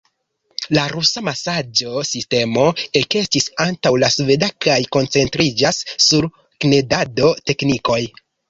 La rusa masaĝo-sistemo ekestis antaŭ la sveda kaj koncentriĝas sur knedado-teknikoj.